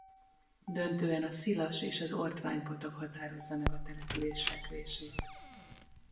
Döntően a Szilas- és az Ortvány-patak határozza meg a település fekvését.